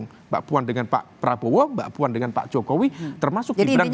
mbak puan dengan pak prabowo mbak puan dengan pak jokowi termasuk gibran